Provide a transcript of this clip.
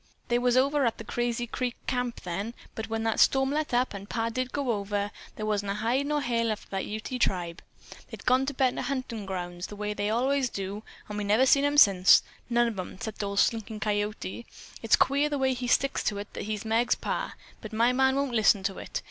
"They was over at the Crazy Creek camp then, but when that storm let up, and Pa did go over, there wa'n't a hide or hair left of that Ute tribe. They'd gone to better huntin' grounds, the way they allays do, and we've never seen 'em since. None of 'em 'cept ol' Slinkin' Coyote. It's queer the way he sticks to it that he's Meg's pa, but my man won't listen to it.